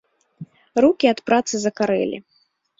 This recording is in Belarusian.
Рукі ад працы закарэлі.